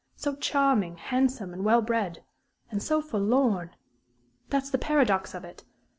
So charming, handsome, and well bred and so forlorn! That's the paradox of it.